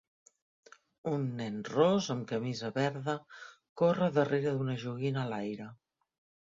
Un nen ros amb camisa verda corre darrere d'una joguina a l'aire.